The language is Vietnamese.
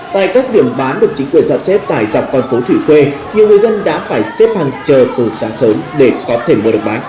tại các viện bán được chính quyền dạm xếp tại dọc con phố thủy khuê nhiều người dân đã phải xếp hàng chờ từ sáng sớm để có thể mua được bánh